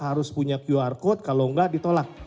harus punya qr code kalau nggak ditolak